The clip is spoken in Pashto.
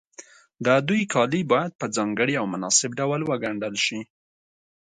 د دوی کالي باید په ځانګړي او مناسب ډول وګنډل شي.